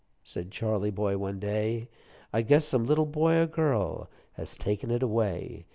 Said Charley boy one day; "I guess some little boy or girl Has taken it away.